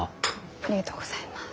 ありがとうございます。